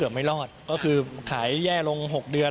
ไม่รอดก็คือขายแย่ลง๖เดือน